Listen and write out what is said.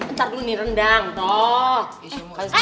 ntar dulu nih rendang toh